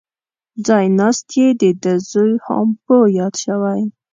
ځای ناست یې دده زوی هامپو یاد شوی.